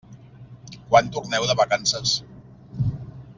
Quan torneu de vacances?